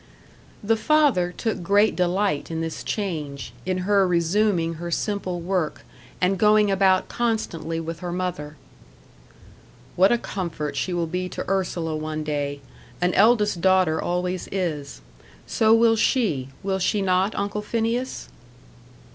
The father took great delight in this change, in her resuming her simple work, and going about constantly with her mother. "What a comfort she will be to Ursula one day an eldest daughter always is. So will she: will she not, Uncle Phineas?"